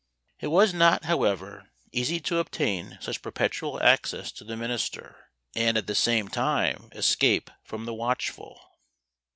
It was not, however, easy to obtain such perpetual access to the minister, and at the same time escape from the watchful.